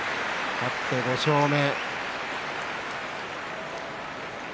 勝って５勝目。